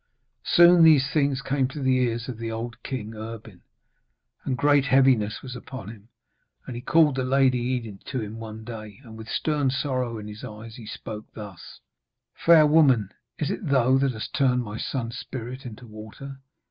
Soon these things came to the ears of the old King Erbin, and great heaviness was upon him. And he called the Lady Enid to him one day, and with stern sorrow in his eyes spoke thus: 'Fair woman, is it thou that hast turned my son's spirit into water?